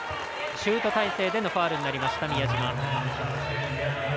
シュート体勢でのファウルになりました。